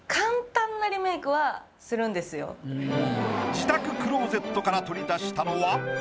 自宅クローゼットから取り出したのは？